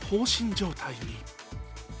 状態に。